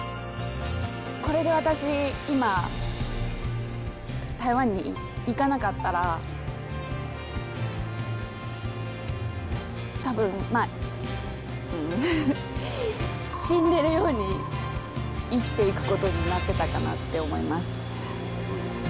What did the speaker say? これで私、今、台湾に行かなかったら、たぶん死んでるように生きていくことになってたかなって思います。